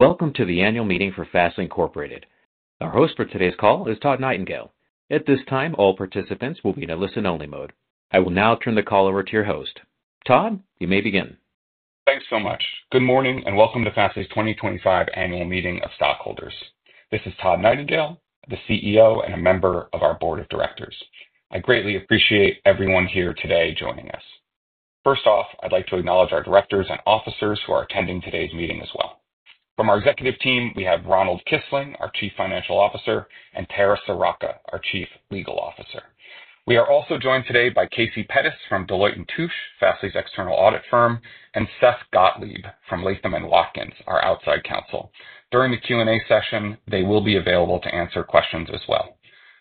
Welcome to the annual meeting for Fastly Incorporated. Our host for today's call is Todd Nightingale. At this time, all participants will be in a listen-only mode. I will now turn the call over to your host. Todd, you may begin. Thanks so much. Good morning and welcome to Fastly's 2025 annual meeting of stockholders. This is Todd Nightingale, the CEO and a member of our board of directors. I greatly appreciate everyone here today joining us. First off, I'd like to acknowledge our directors and officers who are attending today's meeting as well. From our executive team, we have Ronald Kisling, our Chief Financial Officer, and Tara Sirocca, our Chief Legal Officer. We are also joined today by Casey Pettis from Deloitte & Touche, Fastly's external audit firm, and Seth Gottlieb from Latham & Watkins, our outside counsel. During the Q&A session, they will be available to answer questions as well.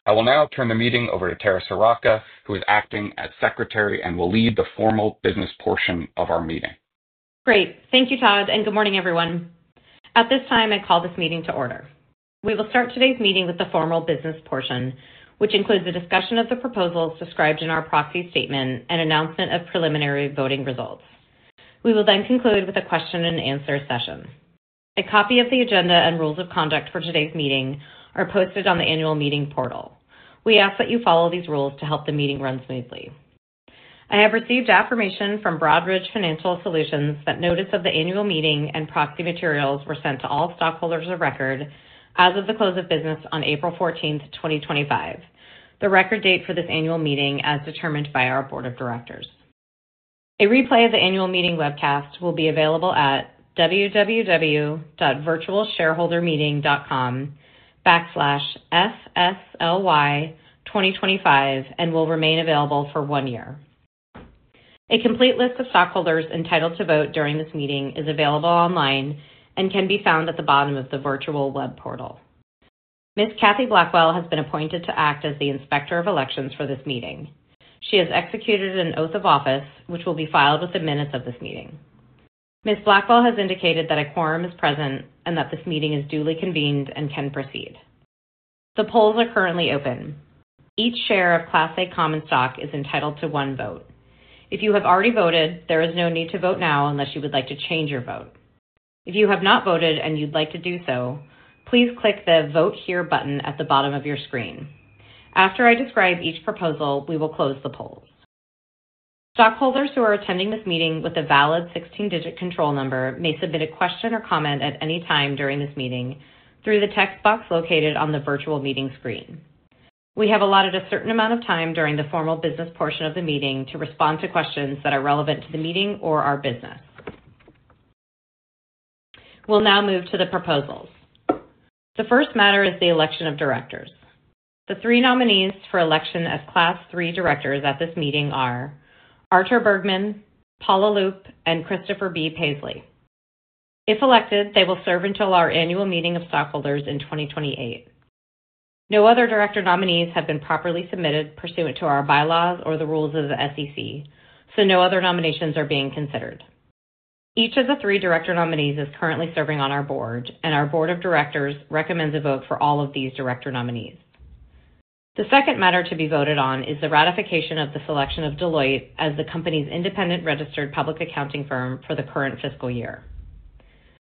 I will now turn the meeting over to Tara Seracka, who is acting as secretary and will lead the formal business portion of our meeting. Great. Thank you, Todd, and good morning, everyone. At this time, I call this meeting to order. We will start today's meeting with the formal business portion, which includes a discussion of the proposals described in our proxy statement and announcement of preliminary voting results. We will then conclude with a question-and-answer session. A copy of the agenda and rules of conduct for today's meeting are posted on the annual meeting portal. We ask that you follow these rules to help the meeting run smoothly. I have received affirmation from Broadridge Financial Solutions that notice of the annual meeting and proxy materials were sent to all stockholders of record as of the close of business on April 14, 2025. The record date for this annual meeting as determined by our board of directors. A replay of the annual meeting webcast will be available at www.virtualshareholdermeeting.com/SSLY2025 and will remain available for one year. A complete list of stockholders entitled to vote during this meeting is available online and can be found at the bottom of the virtual web portal. Ms. Kathy Blackwell has been appointed to act as the Inspector of Elections for this meeting. She has executed an oath of office, which will be filed with the minutes of this meeting. Ms. Blackwell has indicated that a quorum is present and that this meeting is duly convened and can proceed. The polls are currently open. Each share of Class A Common Stock is entitled to one vote. If you have already voted, there is no need to vote now unless you would like to change your vote. If you have not voted and you'd like to do so, please click the Vote Here button at the bottom of your screen. After I describe each proposal, we will close the polls. Stockholders who are attending this meeting with a valid 16-digit control number may submit a question or comment at any time during this meeting through the text box located on the virtual meeting screen. We have allotted a certain amount of time during the formal business portion of the meeting to respond to questions that are relevant to the meeting or our business. We'll now move to the proposals. The first matter is the election of directors. The three nominees for election as Class Three directors at this meeting are Artur Bergman, Paula Loop, and Christopher B. Paisley. If elected, they will serve until our annual meeting of stockholders in 2028. No other director nominees have been properly submitted pursuant to our bylaws or the rules of the SEC, so no other nominations are being considered. Each of the three director nominees is currently serving on our board, and our board of directors recommends a vote for all of these director nominees. The second matter to be voted on is the ratification of the selection of Deloitte as the company's independent registered public accounting firm for the current fiscal year.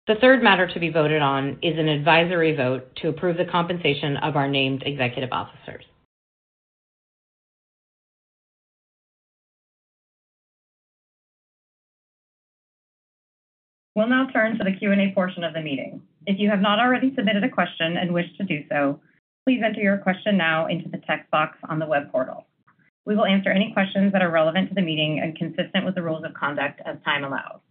The third matter to be voted on is an advisory vote to approve the compensation of our named executive officers. We'll now turn to the Q&A portion of the meeting. If you have not already submitted a question and wish to do so, please enter your question now into the text box on the web portal. We will answer any questions that are relevant to the meeting and consistent with the rules of conduct as time allows.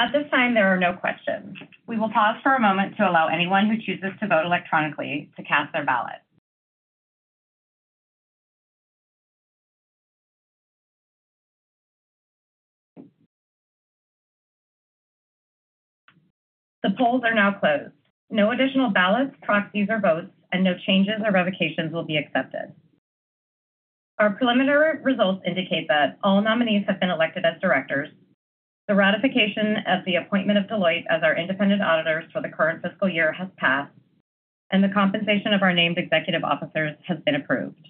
At this time, there are no questions. We will pause for a moment to allow anyone who chooses to vote electronically to cast their ballot. The polls are now closed. No additional ballots, proxies, or votes, and no changes or revocations will be accepted. Our preliminary results indicate that all nominees have been elected as directors, the ratification of the appointment of Deloitte as our independent auditors for the current fiscal year has passed, and the compensation of our named executive officers has been approved.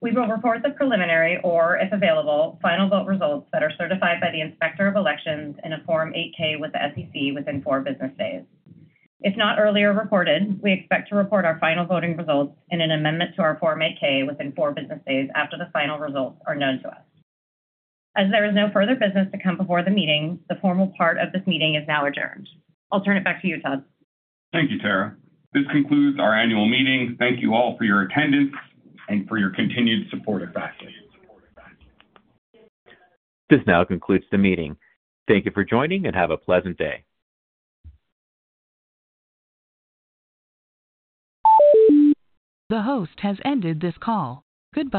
We will report the preliminary or, if available, final vote results that are certified by the inspector of elections in a Form 8-K with the SEC within four business days. If not earlier reported, we expect to report our final voting results in an amendment to our Form 8-K within four business days after the final results are known to us. As there is no further business to come before the meeting, the formal part of this meeting is now adjourned. I'll turn it back to you, Todd. Thank you, Tara. This concludes our annual meeting. Thank you all for your attendance and for your continued support of Fastly. This now concludes the meeting. Thank you for joining and have a pleasant day. The host has ended this call. Good.